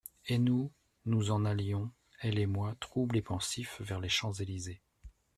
Et nous nous en allions, elle et moi, trouble et pensifs, vers les Champs-Elysees.